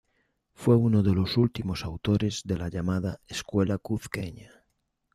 Fue uno de los últimos autores de la llamada Escuela cuzqueña.